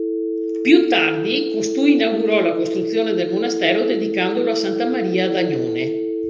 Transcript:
Più tardi, costui inaugurò la costruzione del monastero dedicandolo a Santa Maria ad Agnone.